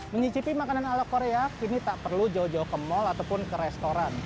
mencicipi makanan ala korea kini tak perlu jauh jauh ke mal ataupun ke restoran